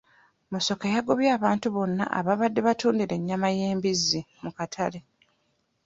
Musoke yagobye abantu bonna ababadde batundira ennyama y'embizzi mu katale.